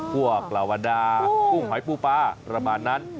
พวกลาวาดาปุ้งหายปูปลาระมานนั้น